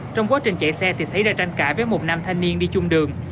trong quá trình chạy xe thì xảy ra tranh cãi với một nam thanh niên đi chung đường